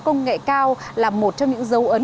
công nghệ cao là một trong những dấu ấn